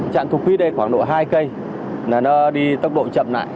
trạm thuốc phí đây khoảng độ hai km nó đi tốc độ chậm lại